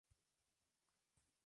Educación de los sexos.